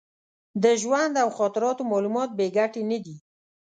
د ژوند او خاطراتو معلومات بې ګټې نه دي.